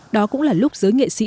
đó cũng là lúc giới nghệ sĩ